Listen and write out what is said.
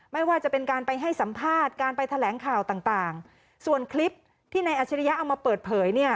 ไม่ว่าจะเป็นการไปให้สัมภาษณ์การไปแถลงข่าวต่างต่างส่วนคลิปที่นายอัชริยะเอามาเปิดเผยเนี่ย